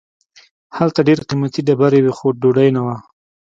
هلته ډیر قیمتي ډبرې وې خو ډوډۍ نه وه.